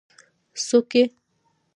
څوک يې؟